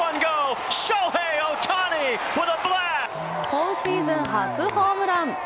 今シーズン、初ホームラン！